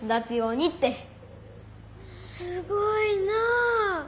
すごいなあ。